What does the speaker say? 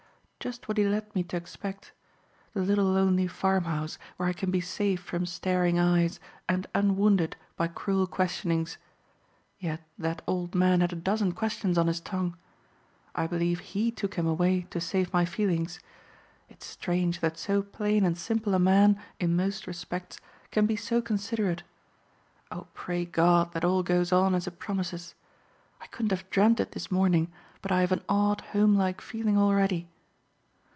Just what he led me to expect. The little lonely farmhouse, where I can be safe from staring eyes and unwounded by cruel questionings. Yet that old man had a dozen questions on his tongue. I believe HE took him away to save my feelings. It's strange that so plain and simple a man in most respects can be so considerate. Oh, pray God that all goes on as it promises! I couldn't have dreamt it this morning, but I have an odd, homelike feeling already.